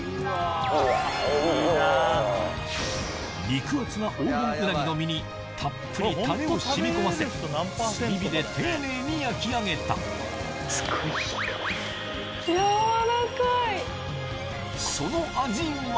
肉厚な黄金うなぎの身にたっぷりタレを染み込ませ炭火で丁寧に焼き上げたその味は？